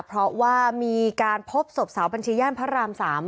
เพราะว่ามีการพบศพสาวบัญชีย่านพระราม๓